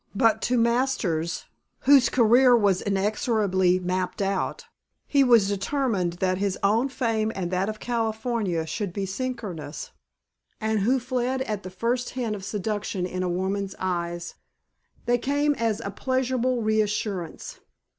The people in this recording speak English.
But to Masters, whose career was inexorably mapped out, he was determined that his own fame and that of California should be synchronous and who fled at the first hint of seduction in a woman's eyes, they came as a pleasurable reassurance.